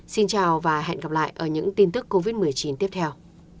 xin chào và hẹn gặp lại ở những tin tức covid một mươi chín tiếp theo